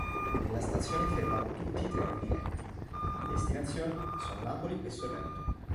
Nella stazione fermano tutti i treni diretti: le destinazioni sono Napoli e Sorrento.